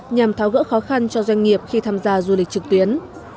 nhằm tháo gỡ khó khăn cho doanh nghiệp khi tham gia du lịch trực tuyến